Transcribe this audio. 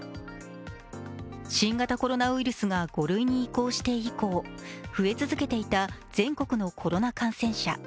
新型コロナウイルスが５類に移行して以降増え続けていた全国のコロナ感染者。